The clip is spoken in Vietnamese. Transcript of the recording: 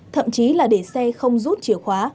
thậm chí là để xe không rút chìa khóa